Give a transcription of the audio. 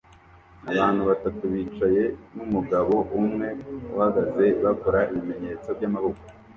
Abantu batatu bicaye numugabo umwe uhagaze bakora ibimenyetso byamaboko